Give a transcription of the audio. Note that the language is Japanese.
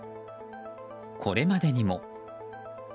これまでにも。